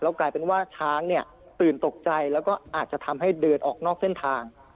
กลายเป็นว่าช้างเนี่ยตื่นตกใจแล้วก็อาจจะทำให้เดินออกนอกเส้นทาง